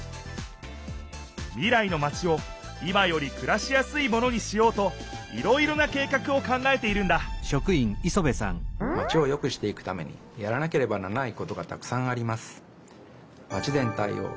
未来のマチを今よりくらしやすいものにしようといろいろな計画を考えているんだマチをよくしていくためにやらなければならないことがたくさんあります。